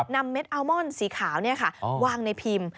นำเม็ดอาลมอนด์สีขาวนี่ค่ะวางในพิมพ์